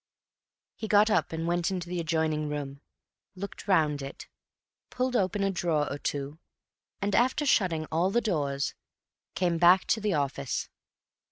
He got up and went into the adjoining room; looked round it, pulled open a drawer or two, and, after shutting all the doors, came back to the office.